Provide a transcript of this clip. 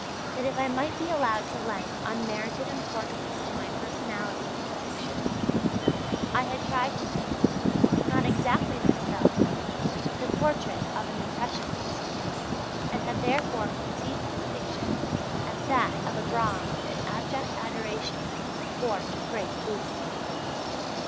that if I might be allowed to lend unmerited importance to my personality in a picture, I had tried to paint, not exactly myself, but the portrait of an impressionist, and had therefore conceived this picture as that of a bonze in abject adoration before his great Buddha.